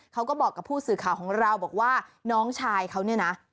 เขาก็บอกกับผู้สื่อข่าวของเราบอกว่าน้องชายเขาเนี่ยนะ